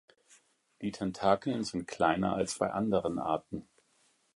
Die Tentakeln sind kleiner als bei anderen Arten.